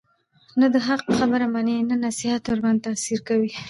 نه د حق خبره مني، نه نصيحت ورباندي تأثير كوي،